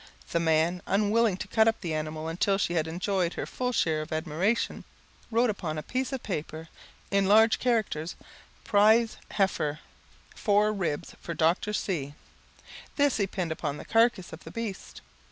The man, unwilling to cut up the animal until she had enjoyed her full share of admiration, wrote upon a piece of paper, in large characters, "Prize Heifer four ribs for Dr. C ;" this he pinned upon the carcase of the beast.